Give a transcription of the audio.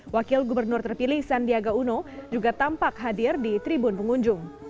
wakil gubernur terpilih sandiaga uno juga tampak hadir di tribun pengunjung